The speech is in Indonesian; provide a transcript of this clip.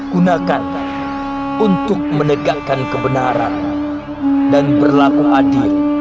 gunakan untuk menegakkan kebenaran dan berlaku adil